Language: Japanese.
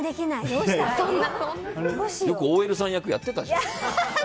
よくＯＬさん役やってたじゃん。